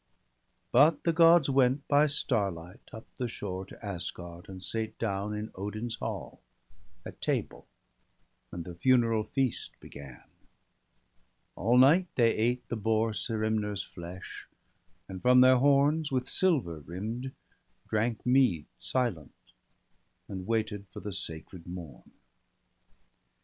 But the Gods went by starlight up the shore To Asgard, and sate down in Odin's hall 174 BALDER DEAD, At table, and the funeral feast began. All night they ate the boar Serimner's flesh, And from their horns, with silver rimm'd, drank mead, Silent, and waited for the sacred morn.